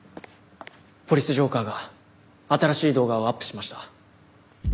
「ポリス浄化ぁ」が新しい動画をアップしました。